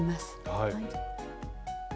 はい。